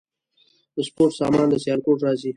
د سپورت سامان له سیالکوټ راځي؟